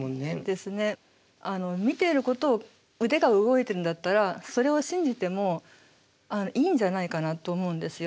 見ていることを腕が動いてるんだったらそれを信じてもいいんじゃないかなと思うんですよ。